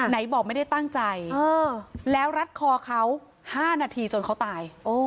ไหนบอกไม่ได้ตั้งใจแล้วรัดคอเขา๕นาทีจนเขาตาย